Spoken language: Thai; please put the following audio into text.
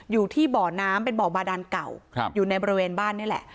อยู่ที่บ่อน้ำเป็นบ่อบาดานเก่าอยู่ในบริเวณบ้านนี่แหละ